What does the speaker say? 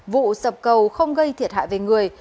vụ sập cầu không gây thiệt hại về người